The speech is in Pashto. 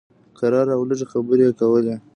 کرار او لږې خبرې یې کولې.